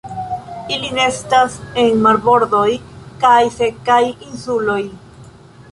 Ili nestas en marbordoj kaj sekaj insuloj.